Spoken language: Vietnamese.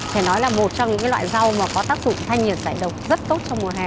phải nói là một trong những loại rau mà có tác dụng thanh nhiệt giải độc rất tốt trong mùa hè